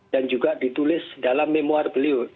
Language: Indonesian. dan juga ditulis dalam memoir beliau